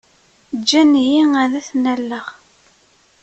Ǧǧan-iyi ad ten-alleɣ.